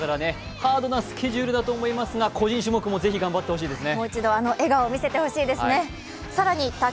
ハードなスケジュールだと思いますが個人種目も頑張ってほしいですね。